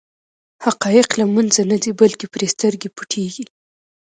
حقایق له منځه نه ځي بلکې پرې سترګې پټېږي.